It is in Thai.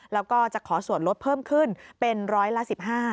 แล้วก็จะขอส่วนลดเพิ่มขึ้นเป็นร้อยละ๑๕